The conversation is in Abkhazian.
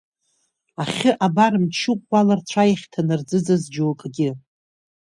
Ахьы абар мчы ӷәӷәала рцәа иахьҭанарӡыӡаз џьоукгьы.